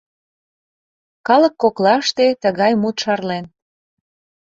Калык коклаште тыгай мут шарлен...